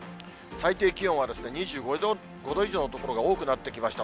最低気温は２５度以上の所が多くなってきました。